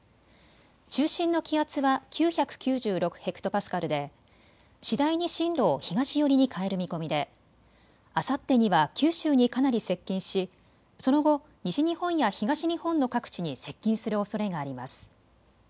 中心の気圧は９９６ヘクトパスカルで次第に進路を東寄りに変える見込みであさってには九州にかなり接近しその後、西日本や東日本の各地に接近するおそれがあります。